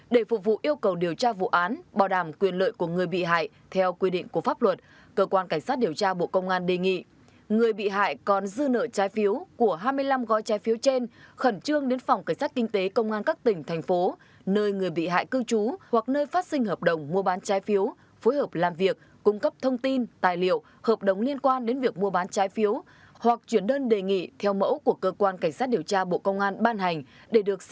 để phục vụ yêu cầu điều tra vụ án bảo đảm quyền lợi của người bị hại theo quy định của pháp luật cơ quan cảnh sát điều tra bộ công an đề nghị người bị hại còn dư nợ trái phiếu của hai mươi năm gói trái phiếu trên khẩn trương đến phòng cảnh sát kinh tế công an các tỉnh thành phố nơi người bị hại cư trú hoặc nơi phát sinh hợp đồng mua bán trái phiếu phối hợp làm việc cung cấp thông tin tài liệu hợp đồng liên quan đến việc mua bán trái phiếu hoặc chuyển đơn đề nghị theo mẫu của cơ quan cảnh sát điều tra bộ công an ban hành để